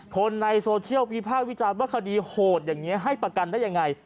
คนในโซเชียลวิพากษ์วิจารณ์ว่าคดีโหดอย่างนี้ให้ประกันได้ยังไง